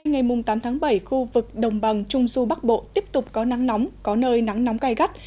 ngày tám tháng bảy khu vực đồng bằng trung du bắc bộ tiếp tục có nắng nóng có nơi nắng nóng gai gắt